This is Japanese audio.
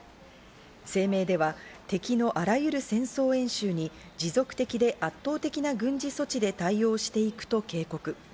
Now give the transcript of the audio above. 声明では敵のあらゆる戦争演習に持続的で圧倒的な軍事措置で対応していくと警告。